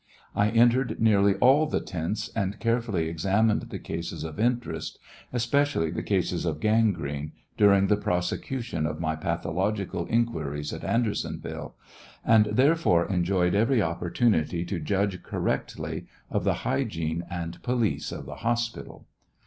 I entered nearly all the tents and carefully examined the cases of interest, especially the cases of gangrene, during the prosecution of my pathological inquiries at Andersonville, and therefore enjoyed every opportunity to judge correctly of the hygiene and police of the hospital.